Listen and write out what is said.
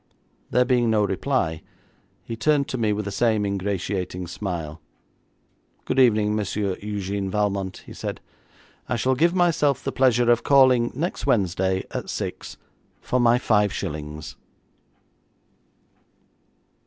There being no reply, he turned to me with the same ingratiating smile, 'Good evening, Monsieur Eugène Valmont,' he said, 'I shall give myself the pleasure of calling next Wednesday at six for my five shillings.'